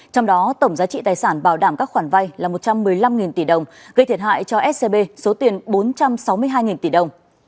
trong đó tổng giá trị tài sản bảo đảm các khoản vay là một trăm một mươi năm tỷ đồng gây thiệt hại cho scb số tiền bốn trăm sáu mươi hai tỷ đồng